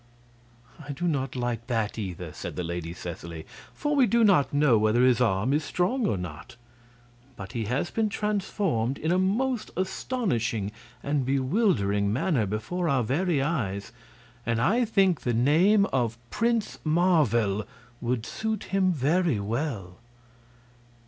"I do not like that, either," said the Lady Seseley, "for we do not know whether his arm is strong or not. But he has been transformed in a most astonishing and bewildering manner before our very eyes, and I think the name of Prince Marvel would suit him very well."